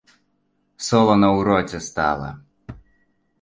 Солана ў роце стала.